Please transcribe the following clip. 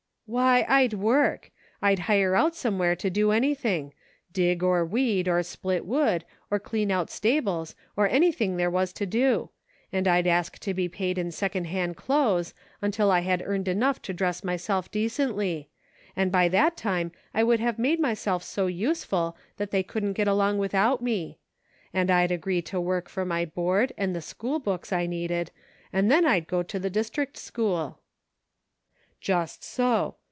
" Why, I'd work ; I'd hire out somewhere to do anything; dig or weed, or split wood, or clean out stables, or anything there was to do ; and I'd ask to be paid in second hand clothes, until I had earned enough to dress myself decently ; and by that time I would have made myself so useful that they couldn't get along without me ; and I'd agree to work for my board and the school books I needed, and then I'd go to the district school." " Just so.